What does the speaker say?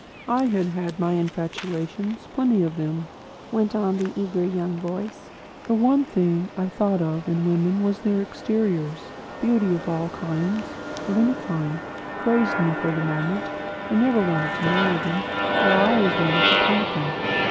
"I had had my infatuations, plenty of them," went on the eager young voice. "The one thing I thought of in women was their exteriors. Beauty of all kinds of any kind crazed me for the moment. I never wanted to marry them, but I always wanted to paint them.